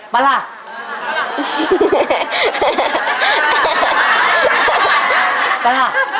ปลาระ